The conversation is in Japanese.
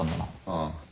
ああ。